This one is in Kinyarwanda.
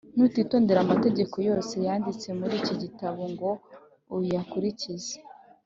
nutitondera amategeko yose yanditse muri iki gitabo ngo uyakurikize,+